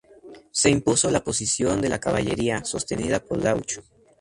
Se impuso la posición de la caballería, sostenida por Rauch.